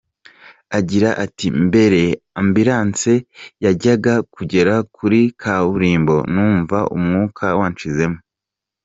Agira ati “Mbere ambulance yajyaga kugera kuri kaburimbo numva umwuka wanshizemo.